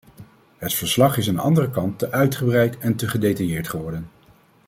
Het verslag is aan de andere kant te uitgebreid en te gedetailleerd geworden.